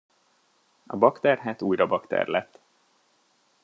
A bakter hát újra bakter lett.